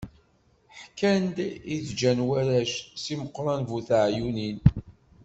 Ḥkan i d-ǧǧan warrac, Si Meqran bu teɛyunin.